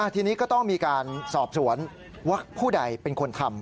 ทีนี้ก็ต้องมีการสอบสวนว่าผู้ใดเป็นคนทำ